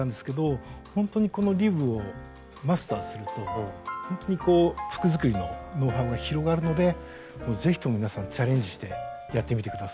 ほんとにこのリブをマスターするとほんとにこう服作りのノウハウが広がるのでもう是非とも皆さんチャレンジしてやってみて下さい。